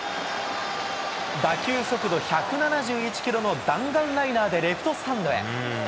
打球速度１７１キロの弾丸ライナーで、レフトスタンドへ。